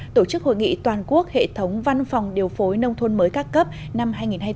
tổ chức hội nghị toàn quốc hệ thống văn phòng điều phối nông thôn mới các cấp năm hai nghìn hai mươi bốn